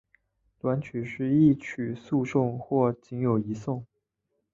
短曲是一曲数颂或仅有一颂。